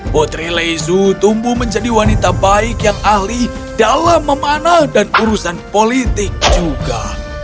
putri lezu tumbuh menjadi wanita baik yang ahli dalam memanah dan urusan politik juga